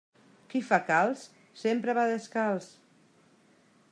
Qui fa calç sempre va descalç.